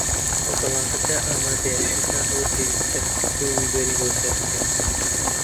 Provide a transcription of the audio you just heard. زەڵاتەکە ئامادەیە. تەنها ئەوە پێویستە کە خوێ و بیبەری بۆ زیاد بکەین.